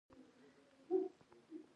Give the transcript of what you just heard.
• ونه د خاورو د تخریب مخنیوی کوي.